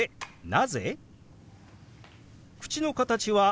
「なぜ？」。